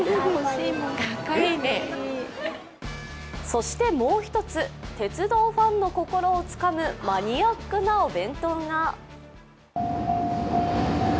そして、もう一つ、鉄道ファンの心をつかむマニアックなお弁当が。